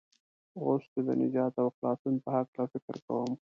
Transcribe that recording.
اوس چې د نجات او خلاصون په هلکه فکر کوم.